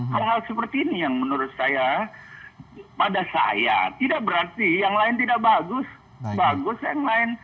hal hal seperti ini yang menurut saya pada saya tidak berarti yang lain tidak bagus bagus yang lain